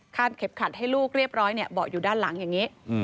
เข็มขัดให้ลูกเรียบร้อยเนี่ยเบาะอยู่ด้านหลังอย่างนี้